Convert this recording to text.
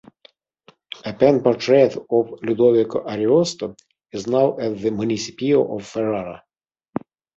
A pen portrait of Ludovico Ariosto is now at the "Municipio" of Ferrara.